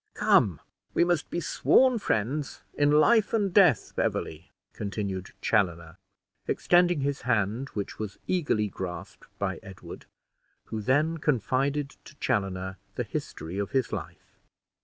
Come, we must be sworn friends in life and death, Beverley," continued Chaloner, extending his hand, which was eagerly grasped by Edward, who then confided to Chaloner the history of his life.